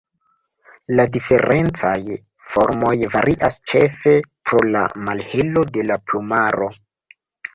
La diferencaj formoj varias ĉefe pro la malhelo de la plumaro.